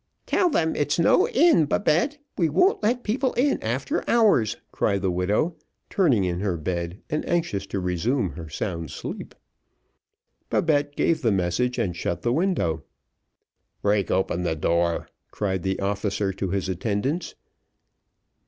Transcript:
"Tell them it's no inn, Babette, we won't let people in after hours," cried the widow, turning in her bed and anxious to resume her sound sleep. Babette gave the message and shut down the window. "Break open the door," cried the officer to his attendants.